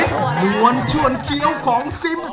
อีมิสมัวนชวนเขียวของซิม